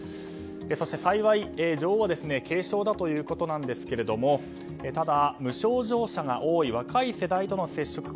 幸い女王は軽症だということなんですけどもただ、無症状者が多い若い世代との接触。